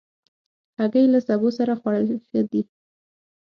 هګۍ له سبو سره خوړل ښه دي.